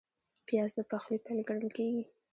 پیاز د پخلي پیل ګڼل کېږي